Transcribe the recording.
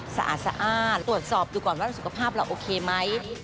สะอาดสะอ้านตรวจสอบดูก่อนว่าสุขภาพเราโอเคไหม